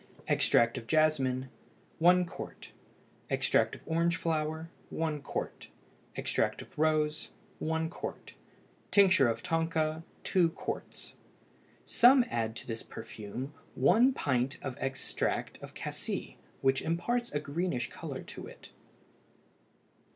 Extract of jasmine 1 qt. Extract of orange flower 1 qt. Extract of rose 1 qt. Tincture of tonka 2 qts. Some add to this perfume 1 pint of extract of cassie which imparts a greenish color to it.